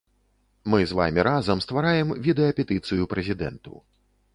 Мы з вамі разам ствараем відэапетыцыю прэзідэнту.